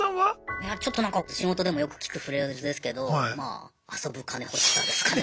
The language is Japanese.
いやちょっとなんか仕事でもよく聞くフレーズですけどまあ遊ぶカネ欲しさですかね。